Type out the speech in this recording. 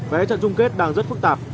vé trận chung kết đang rất phức tạp